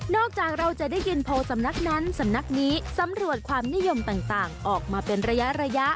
จากเราจะได้ยินโพลสำนักนั้นสำนักนี้สำรวจความนิยมต่างออกมาเป็นระยะ